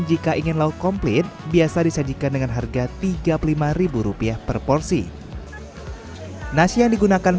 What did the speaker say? jika ingin lauk komplit biasa disajikan dengan harga tiga puluh lima rupiah per porsi nasi yang digunakan